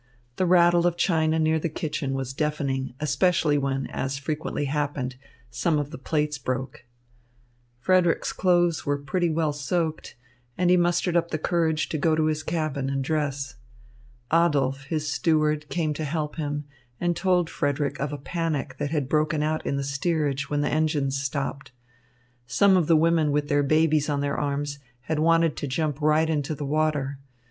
The rattle of china near the kitchen was deafening, especially when, as frequently happened, some of the plates broke. Frederick's clothes were pretty well soaked, and he mustered up the courage to go to his cabin to dress. Adolph, his steward, came to help him, and told Frederick of a panic that had broken out in the steerage when the engines stopped. Some of the women with their babies on their arms had wanted to jump right into the water.